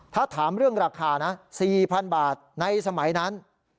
ถ้าถามเรื่องราคานะ๔๐๐๐บาทในสมัยนั้น